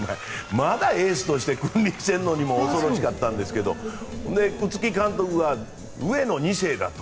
まだエースとして君臨してるのに恐ろしかったんですが宇津木監督が上野二世だと。